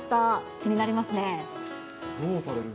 気になりますね。